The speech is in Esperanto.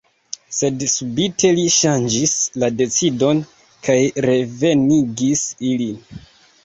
Sed subite li ŝanĝis la decidon, kaj revenigis ilin.